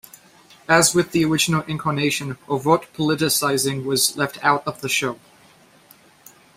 As with the original incarnation, overt politicizing was left out of the show.